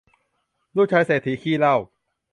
ลูกชายเศรษฐีขี้เหล้า